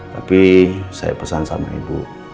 tapi saya pesan sama ibu